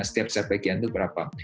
setiap bagian itu berapa